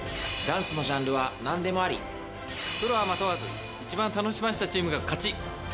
ダンスのジャンルはなんでもプロアマ問わず、一番楽しませたチームが勝ち。